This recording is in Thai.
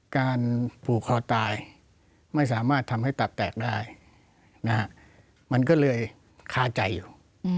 การผูกคอตายไม่สามารถทำให้ตับแตกได้มันก็เลยคาใจอยู่